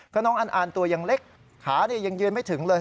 ก็น้องอันอ่านตัวยังเล็กขายังยืนไม่ถึงเลย